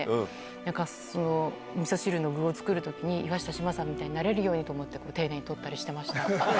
なんかそのみそ汁の具を作るときに岩下志麻さんみたいになれるようにって、丁寧に取ったりしてました。